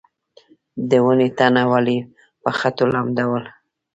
د ونې تنه ولې په خټو لمدوم؟